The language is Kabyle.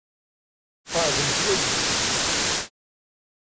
Qeɛdemt waki.